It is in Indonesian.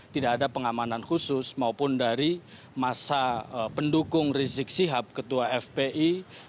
tidak ada pengamanan khusus maupun dari masa pendukung rizik sihab ketua fpi